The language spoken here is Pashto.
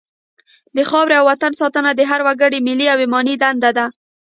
د خاورې او وطن ساتنه د هر وګړي ملي او ایماني دنده ده.